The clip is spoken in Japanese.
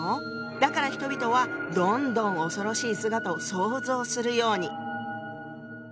だから人々はどんどん恐ろしい姿を想像するように。